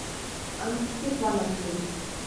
আমি কুকিজ বানাচ্ছি!